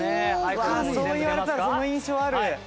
そう言われたらその印象ある。